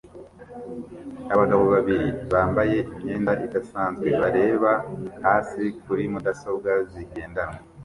Abagabo babiri bambaye imyenda isanzwe bareba hasi kuri mudasobwa zigendanwa